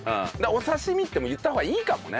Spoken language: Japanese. お刺し身ってもう言った方がいいかもね。